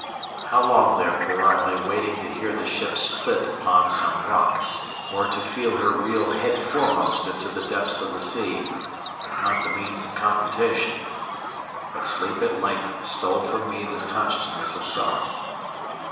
How long, therefore, I lay waiting to hear the ship split upon some rock, or to feel her reel head foremost into the depths of the sea, I have not the means of computation. But sleep at length stole from me the consciousness of sorrow.